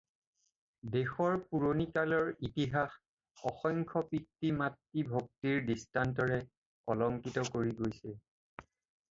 দেশৰ পূৰণি কালৰ ইতিহাস অসংখ্য পিতৃ-মাতৃ ভক্তিৰ দৃষ্টান্তেৰে অলঙ্কৃত কৰি গৈছে।